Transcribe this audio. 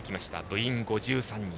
部員５３人。